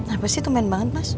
apa sih teman banget mas